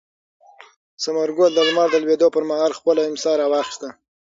ثمر ګل د لمر د لوېدو پر مهال خپله امسا راواخیسته.